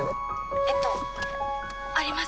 えっとあります。